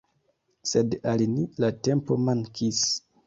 Sed al ni, la tempo mankis.